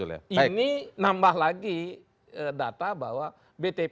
ini nambah lagi data bahwa btp